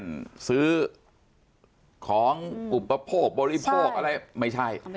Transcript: เอาเป็นซื้อของอุปโภคบริโภคอะไรใช่ไม่ใช่